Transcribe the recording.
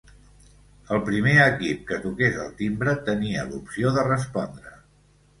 El primer equip que toqués el timbre tenia l'opció de respondre.